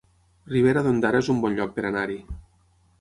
Ribera d'Ondara es un bon lloc per anar-hi